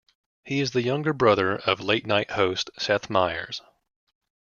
He is the younger brother of "Late Night" host Seth Meyers.